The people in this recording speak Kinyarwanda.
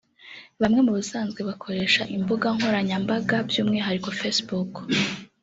Bamwe mu basanzwe bakoresha imbuga nkoranyambaga by'umwihariko Facebook